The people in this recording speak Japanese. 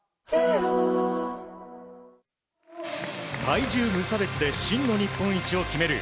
体重無差別で真の日本一を決める